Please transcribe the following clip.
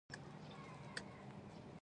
هغه غر د رُخ په نوم یادیږي.